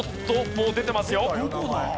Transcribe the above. もう出てますよ。